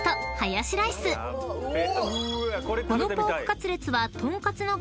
［このポークカツレツは］